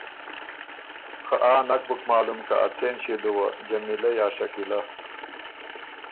خه آ نک بُک معلوم که ا څېن ݭيې دُوه، جمیلۀ یا شکیلۀ؟